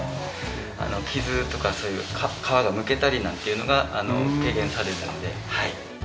傷とか皮がむけたりなんていうのが軽減されるので。